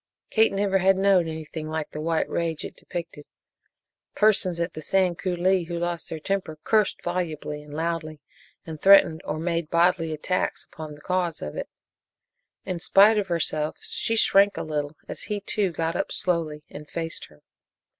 Kate never had known anything like the white rage it depicted. Persons at the Sand Coulee who lost their temper cursed volubly and loudly, and threatened or made bodily attacks upon the cause of it. In spite of herself she shrank a little as he, too, got up slowly and faced her.